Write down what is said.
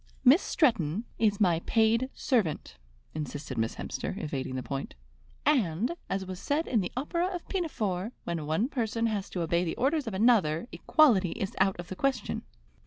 "Miss Stretton is my paid servant," insisted Miss Hemster, evading the point; "and, as was said in the opera of 'Pinafore,' when one person has to obey the orders of another, equality is out of the question."